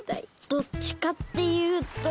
どっちかっていうと変人。